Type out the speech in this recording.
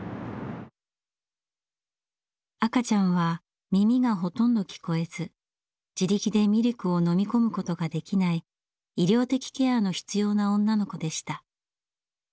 赤ちゃんは耳がほとんど聞こえず自力でミルクを飲み込むことができない医療的ケアの必要な女の子でした。